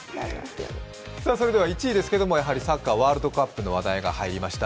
１位ですけれども、やはりサッカーワールドカップの話題が入りました。